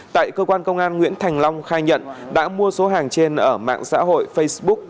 tại cơ quan công an nguyễn thành long khai nhận đã mua số hàng trên ở mạng xã hội facebook với giá hai trăm linh triệu đồng để bán kiếm lời